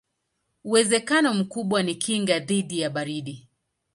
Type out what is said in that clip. Uwezekano mkubwa ni kinga dhidi ya baridi.